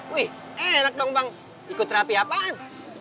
wih enak dong bang ikut rapi apaan